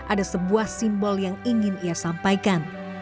ada sebuah simbol yang ingin ia sampaikan